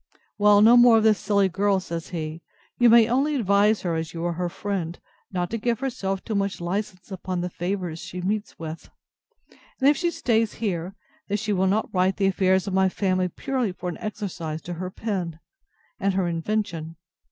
Well, no more of this silly girl, says he; you may only advise her, as you are her friend, not to give herself too much licence upon the favours she meets with; and if she stays here, that she will not write the affairs of my family purely for an exercise to her pen, and her invention.